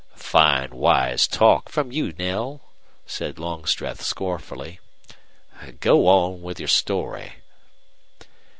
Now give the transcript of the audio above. "Fine wise talk from you, Knell," said Longstreth, scornfully. "Go on with your story."